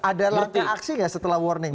ada langkah aksi gak setelah warning